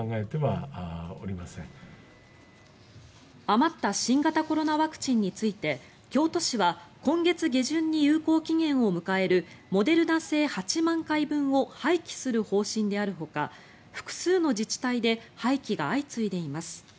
余った新型コロナワクチンについて京都市は今月下旬に有効期限を迎えるモデルナ製８万回分を廃棄する方針であるほか複数の自治体で廃棄が相次いでいます。